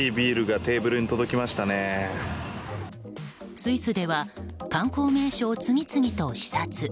スイスでは観光名所を次々と視察。